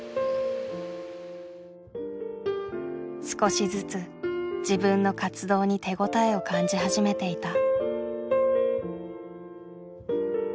少しずつ自分の活動に手応えを感じ始めていた。